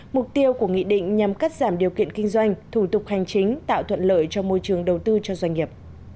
mục tiêu của nghị định nhằm cắt giảm điều kiện kinh doanh thủ tục hành chính tạo thuận lợi cho môi trường đầu tư cho doanh nghiệp